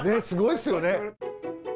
すごいっすよね。